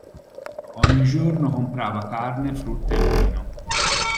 Ogni giorno comprava carne, frutta, e vino.